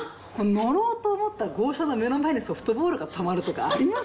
乗ろうと思った号車の目の前にソフトボールが止まるとかあります？